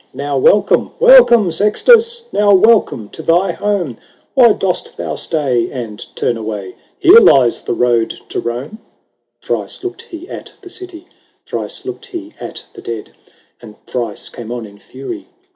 " Now welcome, welcome, Sextus ! Now welcome to thy home ! Why dost thou stay, and turn away ? Here lies the road to Rome." LII. Thrice looked he at the city ; Thrice looked he at the dead ; 70 LAYS OF ANCIENT EOME. And thrice came on in fury.